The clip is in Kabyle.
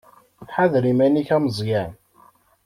Ḥader iman-ik a Meẓyan.